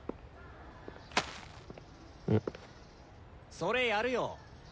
それやるよ。